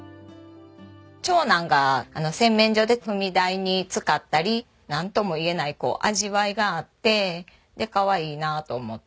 長男が洗面所で踏み台に使ったりなんともいえない味わいがあってかわいいなと思って。